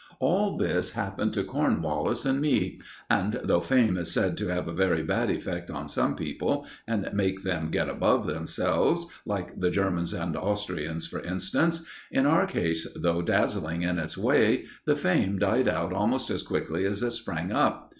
All this happened to Cornwallis and me; and though fame is said to have a very bad effect on some people, and make them get above themselves, like the Germans and Austrians, for instance, in our case, though dazzling in its way, the fame died out almost as quickly as it sprang up.